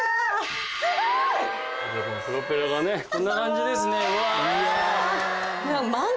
こんな感じですねうわ。